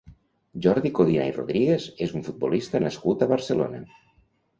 Jordi Codina i Rodríguez és un futbolista nascut a Barcelona.